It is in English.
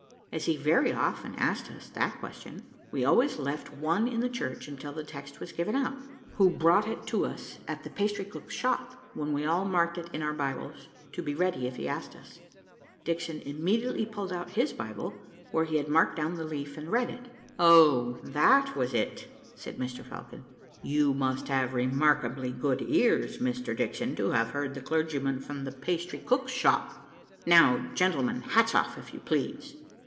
As he very often asked us that question, we always left one in the church until the text was given out, who brought it to us in the pastrycook's shop, when we all marked it in our Bibles to be ready if he asked us. Dixon immediately pulled out his Bible where he had marked down the leaf and read it. "O! that was it," said Mr Falcon; "you must have remarkably good ears, Mr Dixon, to have heard the clergyman from the pastry cook's shop. Now, gentlemen, hats off, if you please."